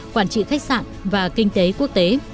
quản trị khách sạn và kinh tế quốc tế